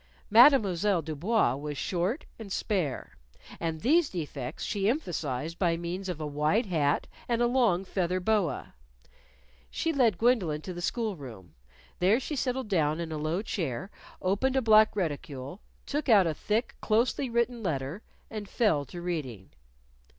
Mademoiselle Du Bois was short and spare. And these defects she emphasized by means of a wide hat and a long feather boa. She led Gwendolyn to the school room. There she settled down in a low chair, opened a black reticule, took out a thick, closely written letter, and fell to reading.